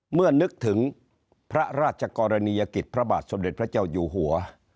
เมื่อนึกถึงพระราชกรณียกิจพระบาทสมเด็จพระเจ้าอยู่หัว